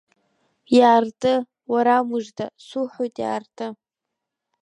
Иаарты, уарамыжда, суҳәоит иаарты…